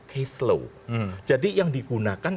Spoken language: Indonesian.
case law jadi yang digunakan